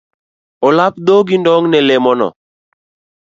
Olap dhogi ndong ne lemono.